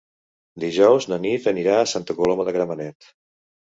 Dijous na Nit anirà a Santa Coloma de Gramenet.